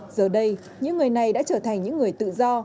giờ đây những người này đã trở thành những người tự do